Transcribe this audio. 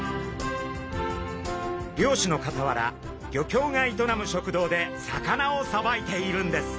漁師のかたわら漁協が営む食堂で魚をさばいているんです。